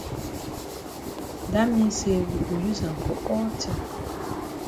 Dat mean say we go use am for all tin.